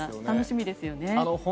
楽しみですよね。